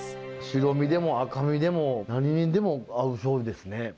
白身でも赤身でも何にでも合うしょうゆですね。